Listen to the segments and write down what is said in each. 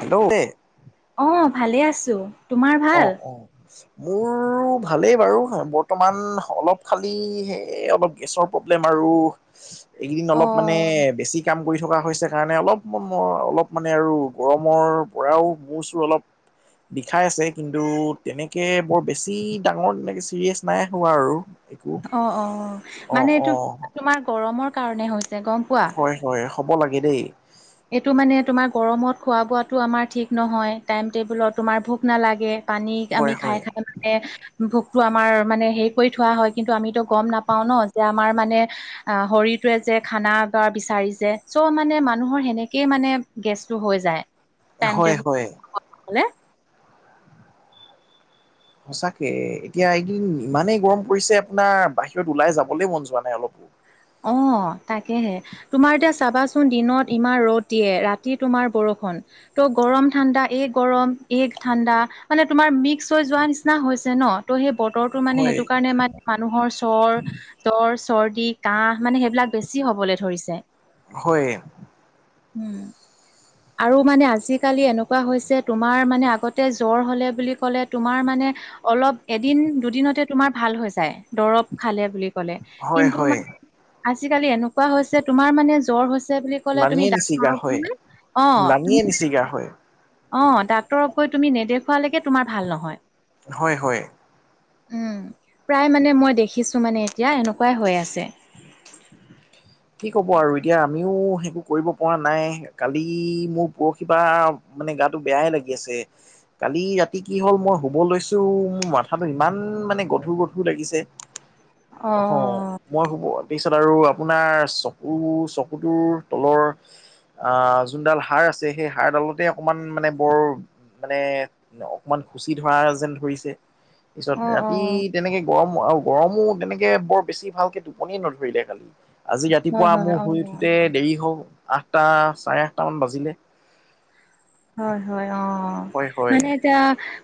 Hello অ', ভালে আছোঁ। অ', অ', মোৰ ভালেই বাৰু বৰ্তমান অলপ খালি সে অলপ গেছৰ প্ৰব্লেম আৰু। এইকেইদিন অ অলপ মানে বেছি কাম কৰি থকা হৈছে কাৰণে অলপ মান মোৰ, অলপ মানে আৰু গৰমৰ পৰাও মূৰ চোৰ অলপ বিখাই আছে। কিন্তু তেনেকৈ বৰ বেছি ডাঙৰ তেনেকৈ চিৰিয়েছ নাই হোৱা আৰু। একো অ', অ', অ', মানে এইটো অ', তোমাৰ গৰমৰ কাৰণে হৈছে গম পোৱা। হয়, হয় হ'ব লাগে দেই। এইটো মানে তোমাৰ গৰমত খোৱা বোৱাটো আমাৰ ঠিক নহয় টাইম টেবুলত তোমাৰ ভোক নালাগে পানী হয়, আমি হয়। খাই খাই এ ভোকটো আমাৰ মানে হেৰি কৰি থোৱা হয় কিন্তু আমিতো গম নাপাওঁ ন' যে আমাৰ মানে অ', শৰীৰটোৱে যে খানা বা বিচাৰিছে চ' মানে মানুহৰ সেনে সেনেকে মানে গেছটো হৈ যায়, টাইম হয়, টেবুল হয়। সঁচাকে এতিয়া এদিন ইমানেই গৰম পৰিছে আপোনাৰ বাহিৰত ওলাই যাবলৈ মন যোৱা নাই অলপো। অ', তাকেহে। তোমাৰ এতিয়া চাবাচোন দিনত ইমান ৰ'দ দিয়ে ৰাতি তোমাৰ বৰষুণ। ত' গৰম ঠাণ্ডা এ গৰম এ ঠাণ্ডা মানে তোমাৰ মিক্স হৈ যোৱা নিচিনা নিচিনা হৈছে ন ত' সেই বতৰটো মানে সেইটো কাৰণে মানে মানুহৰ চৰ জ্বৰ চৰ্দি কাহ মানে সেইবিলাক বেছি হবলৈ ধৰিছে। হয়, উম, আৰু মানে আজিকালি এনেকুৱা হৈছে তোমাৰ মানে আগতে জ্বৰ হ'লে বুলি ক'লে তোমাৰ মানে অলপ এদিন দুদিনতে তোমাৰ ভাল হৈ যায় দৰব খালে বুলি কলে কিন্তু মানে আজিকালি এনেকুৱা হৈছে তোমাৰ মানে জ্বৰ হৈছে বুলি কলে তুমি লানিয়ে নিচিগা ডাক্টৰক হয় [unintelligible] অ', লানিয়ে নিচিগা হয় অ', ডাক্তৰক গৈ তুমি নেদেখুৱালৈকে তোমাৰ ভাল নহয়। হয়, হয়, উম, প্ৰায় মানে মই দেখিছোঁ মানে এতিয়া এনেকুৱাই হৈ আছে। কি ক'ব আৰু এতিয়া আমিও সেইবোৰ কৰিব পৰা নাই কালি মোৰ পৰহি পা মানে গাটো বেয়াহে লাগি আছে। কালি ৰাতি কি হ'ল মই শুব লৈছোঁ মোৰ মাথাটো ইমান মানে গধুৰ গধুৰ লাগিছে অ', মই শুব পিছত আৰু আপোনাৰ চকু চকুটোৰ তলৰ আ, যোনডাল হাড় আছে সেই হাড়ডালতে অকণমান মানে বৰ মানে অকমান শুচি ধৰা যেন ধৰিছে অ পিছত অ ৰাতি তেনেকে গৰম আৰু গৰমো তেনেকে বৰ বেছি ভালকে টোপনি নধৰিলে কালি। আজি হয় ৰাতিপুৱা হয় মোৰ শুই অ উঠোতে দেৰি হল আঠটা চাৰে আঠটা মান বাজিলে। হয়, হয় অ', হয় হয় মানে এতিয়া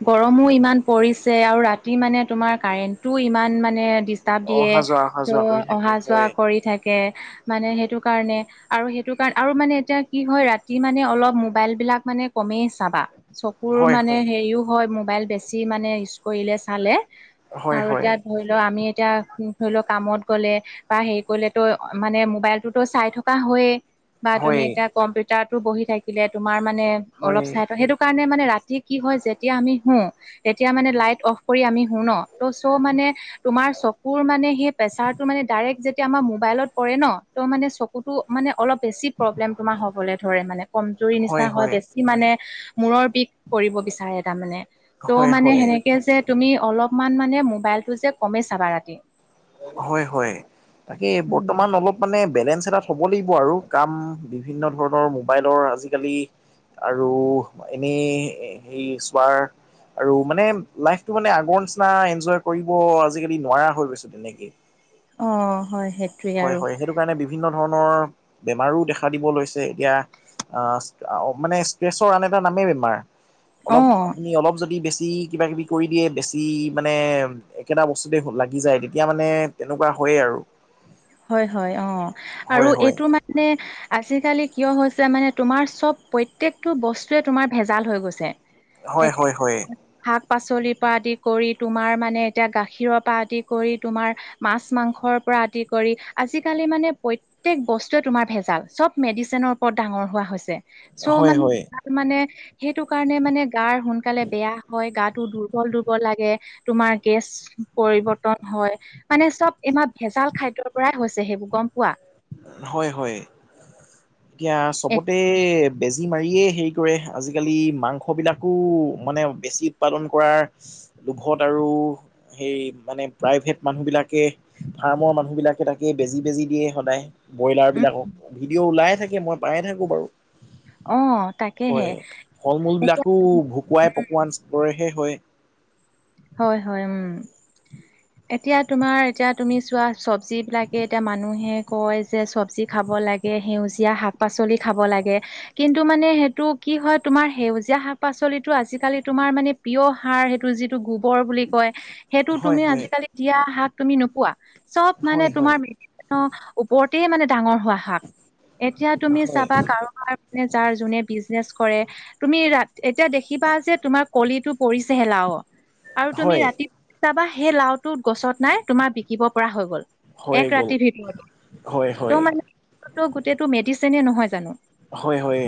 গৰমো ইমান পৰিছে আৰু ৰাতি মানে তোমাৰ কাৰেণ্টটো ইমান মানে কিতাপ দিয়ে অহা যোৱা অহা যোৱা ত' কৰি অহা থাকে যোৱা হয় কৰি থাকে মানে সেইটো কাৰণে আৰু সেইটো কাৰণ আৰু মানে এতিয়া কি হয় ৰাতি মানে অলপ মোবাইল বিলাক মানে কমেই চাবা চকুৰ হয় মানে হয়। হেৰিও হয় মোবাইল বেছি বছি মানে ইউজ কৰিলে চালে হয় আৰু হয় এতিয়া ধৰি ল' আমি এতিয়া ধৰি লওঁক কামত গ'লে বা হেৰি কৰিলে তো মানে মোবাইলটোতো চাই থকা হয়য়েই। বা তুমি হয় এতিয়া কম্পিউটাৰতো বহি থাকিলে তোমাৰ মানে অলপ চাই থা হয় সেইটো। কাৰণে মানে ৰাতি কি হয় যেতিয়া আমি সো, তেতিয়া মানে লাইট অফ কৰি আমি সো ন। ত' চ' মানে তোমাৰ চ চকুৰ মানে সেই প্ৰেচাৰটো মানে ডাইৰেক্ট যেতিয়া আমাৰ মোবাইলত পৰে ন, ত মানে চকুতটো মানে অল বেছি প্ৰব্লেম তোমাৰ হ'ব ধৰে মানে, কমজুৰি নিচনা হয় বেছি মানে মূৰ বিষ। কৰিব বিচাৰে তাৰ মানে ত' হয়। মানে হয় সেনেকে যে। তুমি অলপমান মানে মোবাইলটো যে কমেই চাবা ৰাতি। হয়, হয় তাকে উম, বৰ্তমান অল মানে বেলেঞ্চ এটাত হ'ব লাগিব আৰু কাম বিভিন্ন ধৰণৰ মোবাইলৰ আজিকালি। আৰু এনেই সেই চোৱাৰ। আৰু মানে লাইফটো মানে আগৰ নিচিনা এনজয় কৰিব আজিকালি নোৱাৰা হৈ গৈছো, তেনেকে। অ', হয় সেইটো। হয়, হয় সেইটো কাৰণে বিভিন্ন ধৰণৰ বেমাৰো দেখা দিব লৈছে এতিয়া। আহ, মানে ষ্ট্ৰেছৰ আন এটা নামেই বেমাৰ। অলপ অ' আপুনি অলপ যদি বেছি কিবা কিবি কৰি দিয়ে বেছি মানে। একেটা বস্তুতে লাগি যায় তেতিয়া মানে তেনেকুৱা হয়য়ে আৰু। হয়, হয় অ', আৰু হয় হয়। এইটো মানে। আজিকালি কিয় হৈছে মানে তোমাৰ চব প্ৰত্যেকটো বস্তুৱে তোমাৰ ভেজাল হৈ গৈছে। হয়, হয়, হয়। শাক পাচলিৰ পৰা আদি কৰি তোমাৰ মানে এতিয়া গাখীৰৰ পৰা আদি কৰি তোমাৰ। মাছ মাংসৰ পৰা আদি। কৰি আজিকালি মানে প্ৰত্যক বস্তুৱে তোমাৰ ভেজাল, চব মেডিচিনৰ ওপৰত ডাঙৰ হোৱা হৈছে। চ' হয় মানে, হয় মানে সেইটো কাৰণে মানে। গাৰ সোনকালে বেয়া হয়, গাটো দুৰ্বল, দুৰ্বল লাগে। তোমাৰ গেছ পৰিবৰ্তন হয়, মানে চব ইমান ভেজাল খাই। ৰ পৰাই হৈছে সেইবোৰ গম পোৱা। হয়, হয় এতিয়া এক চবতে বেজি মাৰিয়ে হেৰি কৰে। আজিকালি মাংসবিলাকো মানে বেছি উৎপাদন কৰাৰ লোভত আৰু। সেই মানে প্ৰাইভেট মানুহ বিলাকে ফাৰ্মৰ, মানুহ বিলাকে তাকে বেজি, বেজি দিয়ে সদায়। ব্ৰইলাৰ উম বিলাকক ভিডিঅ' ওলাই থাকে মই পায়ে থাকো বাৰু। অ তাকেহে হয়, ফল মূল এতিয়া বিলাকো ভুকুৱাই পকোৱা নিচিনা। কৰে হে হয়েই। হয়, হয়, উম। এতিয়া তোমাৰ এতিয়া তুমি চোৱা চবজি বিলাকে এতিয়া মানুহে কয় যে চবজি খাব লাগে। সেউজীয়া শাক পাচলি খাব লাগে। কিন্তু মানে সেইটো কি হয়, তোমাৰ সেউজীয়া শাক পাচলিটো আজিকালি তোমাৰ মানে। প্ৰিয় সাৰ সেইটো যিটো গোবৰ বুলি কয়। সেইটো হয় তুমি হয় আজিকালি দিয়া শাক তুমি নোপোৱা, চব মানে হয় তোমা হয় ওপৰতেই মানে ডাঙৰ হোৱা শাক এতিয়া তুমি হয় চাবা কাৰোবাৰ। যাৰ যোনে বিজনেচ কৰে। তুমি ৰা এতিয়া দেখিবা যে তোমাৰ কলিটো পৰিছেহে লাওৰ। আৰু তুমি হয় ৰাতি চাবা সেই লাওটো গছত নাই তোমাৰ বিকিব পৰা হৈ গ'ল। হৈ এক গ'ল ৰাতিৰ ভিতৰতে হয় হয় ত, মানে গোটইটো মেডিচিনে নহয় জানো। হয়, হয়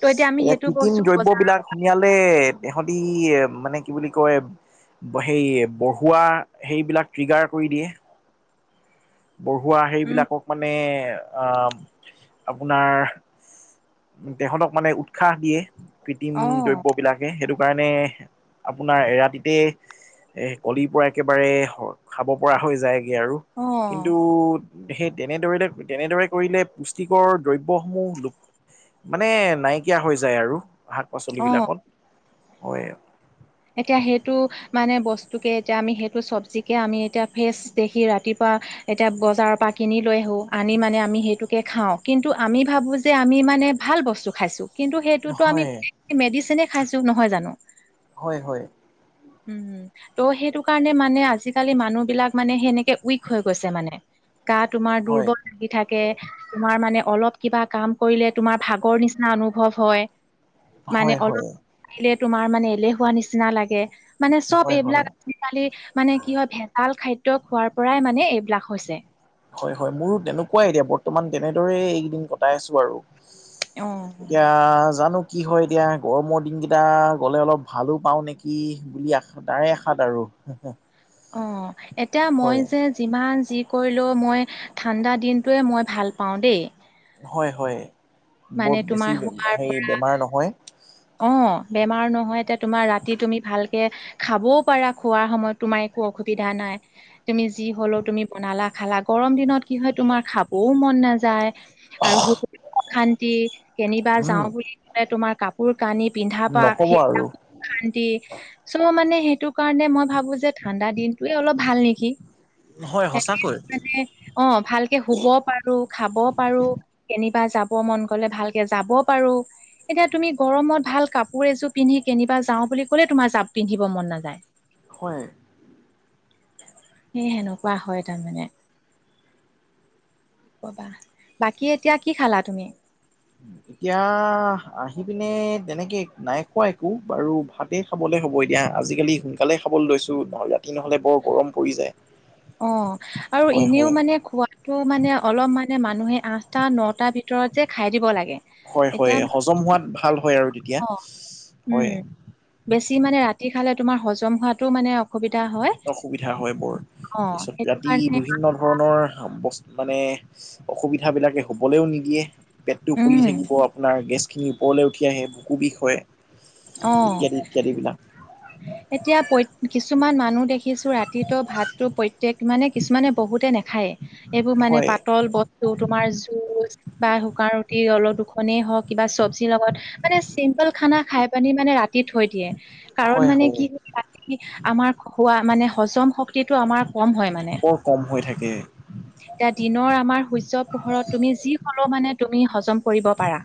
ত' আমি সেইটো কৃত্ৰিম বস্তু দ্ৰব্য বজাৰ বিলাক। সুয়ালে তহঁতি এ মানে কি বুলি কয়। সেই পঢ়োয়া সেইবিলাক ট্ৰিগাৰ কৰি দিয়ে। পঢ়োৱা উম সেইবিলাকক মানে। আহ, আপোনাৰ তেখতক মানে উৎসাহ দিয়ে। কৃত্ৰিম অ দ্ৰব্যবিলাকে, সেইটো কাৰণে আপোনাৰ এৰাতিতে এ কলিৰ পৰা একেবাৰে খাব পৰা হৈ যায়গে আৰু। অ কিন্তু সেই তেনেদৰে তেনেদৰে কৰিলে পুষ্টিকৰ দ্ৰব্যসমূহ মানে নাইকিয়া হৈ যায় আৰু শাক পাচলি অ বিলাকত হয়। এতিয়া সেইটো মানে বস্তুকে এতিয়া আমি সেইটো চব্জিকে আমি এতিয়া ফ্ৰেছ দেখি ৰাতিপুৱা এতিয়া বজাৰৰ পৰা কিনি লৈ আহো আনি মানে, আমি সেইটোকে খাও কিন্তু আমি ভাবো যে যে আমি মানে, ভাল বস্তু খাইছোঁ। কিন্তু সেইটোতো আমি হয় গোটেই মেডিচিনেই খাইছোঁ নহয় জানো। হয় হয়। উম। ত' সেইটো কাৰণে মানে আজিকালি মানুহ বিলাক মানে সেনেকে উইক হৈ গৈছে মানে। গা তোমাৰ হয় দুৰ্বল হৈ থাক তোমাৰ মানে, অলপ কিবা কাম কৰিলে তোমাৰ ভাগৰ নিচিনা অনুভৱ হয়। মানে হয় অলপ হয় আহিলে তোমাৰ মানে এলেহুৱা নিচিনা লাগে মানে চব হয় হয় এইবিলাক আজিকালি মানে কি হয় ভেজাল খাদ্য খোৱাৰ পৰাই মানে এইবিলাক হৈছে। হয় হয়। মোৰো তেনেকুৱাই এতিয়া বৰ্তমান তেনেদৰে এইকেইদিন কটাই আছো আৰু। অ'। এতিয়া জানো কি হয় এতিয়া গৰমৰ দিনকেইটা গ'লে অলপ ভালো পাওঁ নেকি, বুলি আশা তাৰে আশাত আৰু। অ', এতিয়া মই হয় যে যিমান যি কৰিলেও মই ঠাণ্ডা দিনটোৱে মই ভাল পাওঁ দেই। হয় হয় বৰ মানে বেছি তোমাৰ হোৱাৰ হেই বেমাৰ নহয়। অ', বেমাৰ নহয় এতিয়া তোমাৰ ৰাতি তুমি ভালকে খাবও পাৰা। খোৱাৰ সময়ত তোমাৰ একো অসুবিধা নাই। তুমি যি হলেও, তুমি বনালা খালা গৰম দিনত কি হয় তোমাৰ খাবও মন নাযায়। আৰু সুখ অশান্তি কেনিবা যাও উম বুলি কলে তোমাৰ কাপ কানি পিন্ধা পা নকব আৰু সেইবিলাক অশান্তি। চ' মানে সেইটো কাৰণে মই ভাবো যে ঠাণ্ডা দিনটোয়ে অলপ ভাল নেকি? হয় সঁচাকৈ। এটলিষ্ট মানে অ', ভালকে শুব পাৰো, খাব পাৰো। কেনিবা যাব মন গ'লে ভালকে যাব পাৰো, এতিয়া তুমি গৰমত ভাল কাপোৰ এযোৰ পিন্ধি কেনিবা যাওঁ বুলি ক'লে, তোমাৰ যাব পিন্ধিব মন নাযায়। হয়। সেই সেনেকুৱা হয় তাৰমানে। কি ক'বা, বাকী এতিয়া কি খালা তুমি? এতিয়া আহি পিনে, তেনেকে নাই খোৱা একো বাৰু ভাত এ খাবলে হ'ব এতিয়া, আজিকালি সোনকালে খাবলৈ লৈছো নহ'লে ৰাতি নহ'লে বৰ গৰম পৰি যায়। অ', আৰু হয় হয় এনেও মানে খোৱা টো মানে অলপ মানে মানুহে আঠটা, নটাৰ ভিতৰতে খাই দিব লাগে। হয়, হয়, এতিয়া হজম হোৱাত ভাল হয় আৰু তেতিয়া, অ উম হয়। বেছি মানে ৰাতি খালে, তোমাৰ হজম হোৱাটো মানে অসুবিধা হয়। অসুবিধা হয় বৰ, অ তাৰপিছত সেইটো ৰাতি কাৰণে বিভিন্ন ধৰণৰ বস মানে, অসুবিধা বিলাকে শুবলেও নিদিয়ে। পেটটো ফুলি উম থাকিব, আপোনাৰ গেছ খিনি ওপৰলে উঠি আহে, বুকু বিষ হয়। অ', ইত্যাদি, ইত্যাদি বিলাক। এতিয়া প্ৰতে কিছুমান মানুহ দেখিছোঁ ৰাতিটো ভাতটো প্ৰত্যয়েক মানে কিছুমানে বহুতে নাখায় এইবোৰ মানে হয় পাতল বস্তু তোমাৰ জুচ বা শুকান ৰুটি অলপ দুখনেই হওঁক কিবা চব্জিৰ লগত মানে চিম্পল খানা খাই পানি মানে ৰাতি থৈ দিয়ে। কাৰণ হয় মানে হয় কি ৰাতি আমাৰ খোৱা মানে হজম শক্তিটো আমাৰ কম হয় মানে। বৰ কম হৈ থাকে এতিয়া দিনৰ আমাৰ সূৰ্য পোহৰত তুমি যি হলেও মানে তুমি হজম কৰিব পাৰা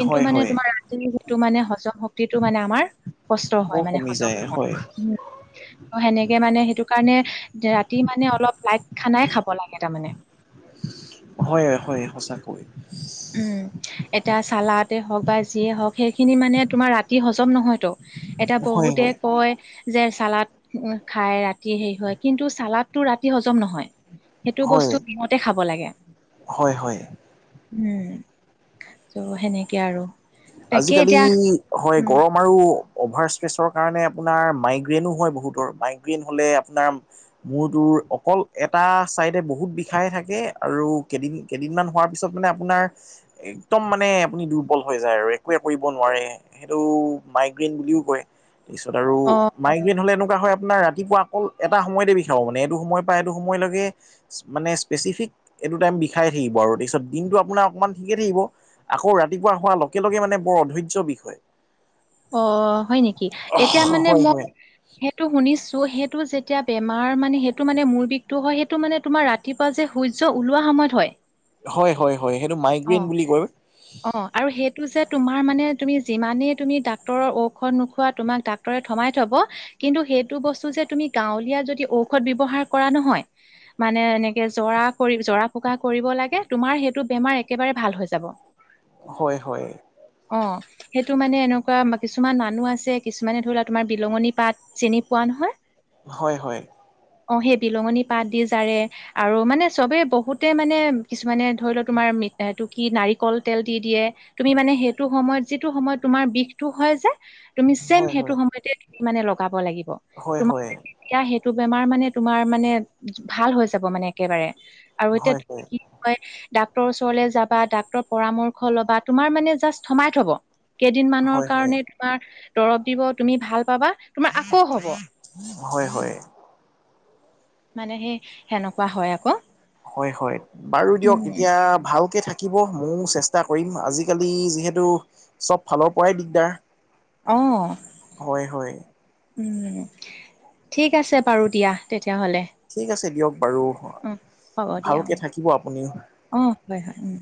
কিন্তু হয় মানে হয় তোমাৰ ৰাতিযোনটো মানে হজম শক্তিটো মানে আমাৰ কষ্ট বৰ হয় মানে কমি হজম যায় হয় নহয়। ত সেনেকে মানে সেইটো কাৰণে ৰাতি মানে অলপ লাইট খানাই খাব লাগে তাৰমানে। হয়, হয় সঁচাকৈ। উম। এটা চালাতে হওক বা যিয়ে হওক সেইখিনি মানে তোমাৰ ৰাতি হজম নহয়তো। এতিয়া হয় বহুতে হয় কয় যে চালাদ খায় ৰাতি হেৰি হয় কিন্তু চালাদ টো ৰাতি হজম নহয় সেইটো হয় বস্তু দিনতে খাব লাগে। হয়, হয়। উম, তো সেনেকে আৰু। তাকে আজিকালি এতিয়া হয় উম, গৰম আমাৰো অ'ভাৰ ষ্ট্ৰেছৰ কাৰণে আপোনাৰ মাইগ্ৰেইনো হয় বহুতৰ মাইগ্ৰেইন হ'লে আপোনাৰ মূৰ তোৰ অকল এটা ছাইডে বহুত বিষাই থাকে আৰু কেদিন কেইদিন মান হোৱাৰ পিছত মানে আপোনাৰ একদম মানে আপুনি দুৰ্বল হৈ যায় আৰু। একোৱে কৰিব নোৱাৰে সেইটো মাইগ্ৰেইন বুলিও কয়। পিছত আৰু অ', মাইগ্ৰেইন হলে এনেকুৱা হয়। আপোনাৰ ৰাতিপুৱা অকল এটা সময়তে বিষাব মানে এইটো সময়ৰ পৰা এইটো সময়লৈকে মানে স্পেচিফিক এটো টাইম বিষাইে থাকিব আৰু তাৰপিছত দিনটো আপোনাৰ অকমান ঠিকে থাকিব। আকৌ ৰাতিপুৱা হোৱাৰ লগে লগে মানে বৰ অধয্য বিষ হয়। অ' হয় নেকি এতিয়া মানে হয় মই হয় সেইটো শুনিছো সেইটো যেতিয়া বেমাৰ মানে সেইটো মানে মোৰ বিষটো হয় সেইটো মানে তোমাৰ ৰাতি ৰাতিপাৱা যে সূৰ্য ওলোৱা সময়ত হয়। হয়, হয়, হয় সেইটো মাইগ্ৰেইন বুলি কয়। অহ আৰু সেইটো যে তোমাৰ মানে তুমি যিমানেই তুমি ডাক্তৰৰ ঔষধ নোখোৱা তোমাকা ডাক্তৰে থমাই থব কিন্তু সেইটো বস্তু যে তুমি গাঁৱলীয়া যদি ঔষধ ব্যৱহাৰ কৰা নহয়। মানে এনেকে জৰা কৰি জৰা ফুকা কৰিব লাগে তোমাৰ সেইটো বেমাৰ একেবাৰে ভাল হৈ যাব। হয়, হয়। অ', সেইটো মানে এনেকুৱা কিছুমান মানু আছে কিছুমানে ধৰি লোৱা তোমাৰ বিলঙনী পাত। চিনি পোৱা নহয়? হয়, হয়। অ', সেই বিলঙনী পাত দি জাৰে। আৰু মানে চবে বহুতে মানে, কিছুমানে ধৰি লও তোমাৰ মৃত্যু এ তটো কি নাৰিকল তেল দি দিয়ে তুমি মানে, সেইটো সময়ত যিটো সময়ত তোমাৰ বিষ সটো হয় যে তুমি চম হয় সেইটো হয় সময়তে মানে লগাব লাগিব। হয়, হয়। এতিয়া, সেইটো বেমাৰ মানে তোমাৰ মানে ভাল হৈ যাব মানে একেবাৰে আৰু হয় হয় এতিয়া ডাক্তৰৰ ওচৰলৈ যাবা ডাক্তৰৰ পৰামৰ্শ লবা তোমাৰ মানে জাষ্ট থমাই থব। কেইদিন মানৰ হয় হয় কাৰণে তোমাৰ দৰৱ দিব তুমি ভাল পাবা তোমাৰ আকৌ হব। হয়, হয়। মানে, সেই সেনেকুৱা হয় আকৌ। হয়, হয় বাৰু দিয়ক উম, এতিয়া ভালকে থা থাকিব ময়ো চেষ্টা কৰিম আজিকালি যিহেতু চব ফালৰ পৰাই দিগদাৰ। অ'। হয়, হয়। উম, ঠিক আছে বাৰু দিয়া তেতিয়াহ'লে। ঠিক আছে দিয়ক বাৰু উম, হ'ব দিয়া ভালকে অ', থাকিব আপুনিও। অ', হয়, হয় উম।